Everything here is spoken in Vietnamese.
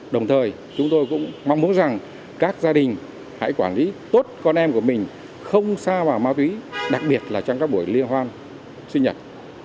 đồng thời chúng tôi cũng mong muốn rằng các gia đình hãy quản lý tốt con em của mình không xa vào ma túy đặc biệt là trong các buổi liên hoan sinh nhật